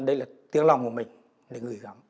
đây là tiếng lòng của mình